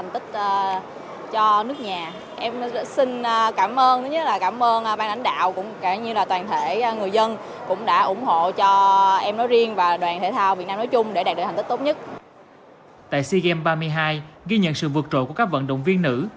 tại sea games ba mươi hai ghi nhận sự vượt trội của các vận động viên nữ